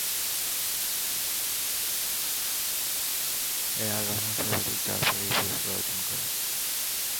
এ R Rahman সর্বাধিক চারবার এই পুরস্কার অর্জন করেন।